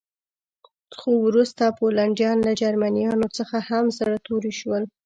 خو وروسته پولنډیان له جرمنانو څخه هم زړه توري شول